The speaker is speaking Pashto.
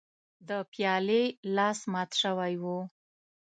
د پیالې لاس مات شوی و.